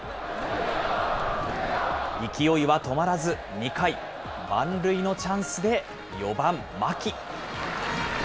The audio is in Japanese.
勢いは止まらず、２回、満塁のチャンスで４番牧。